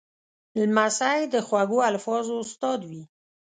لمسی د خوږو الفاظو استاد وي.